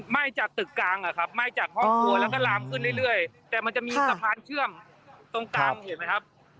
ไหม้จากตึกกลางอะครับไหม้จากห้องครัวแล้วก็ลามขึ้นเรื่อยแต่มันจะมีสะพานเชื่อมตรงกลางเห็นไหมครับ